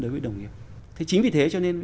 đối với đồng nghiệp thế chính vì thế cho nên